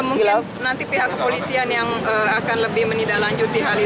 mungkin nanti pihak kepolisian yang akan lebih menindaklanjuti hal ini